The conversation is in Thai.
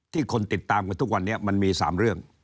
คนติดตามกันทุกวันนี้มันมี๓เรื่อง